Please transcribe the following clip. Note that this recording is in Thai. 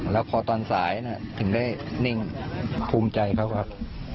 แล้วพอตอนสายถึงได้นิ่งภูมิใจเขาครับ